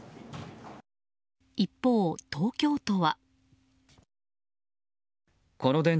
一方、東京都は。